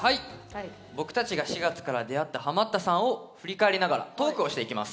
僕たちが４月から出会ったハマったさんを振り返りながらトークをしていきます。